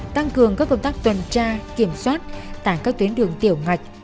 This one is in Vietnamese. tăng cường các công tác tuần tra kiểm soát tại các tuyến đường tiểu ngạch